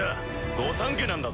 御三家なんだぞ。